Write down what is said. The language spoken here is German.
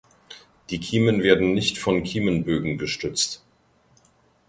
Die Kiemen werden nicht von Kiemenbögen gestützt.